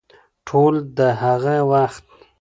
ټول د هغه وخت